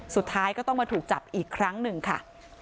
สุดท้ายก็ต้องมาถูกจับอีกครั้งหนึ่งค่ะ